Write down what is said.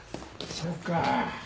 そうか。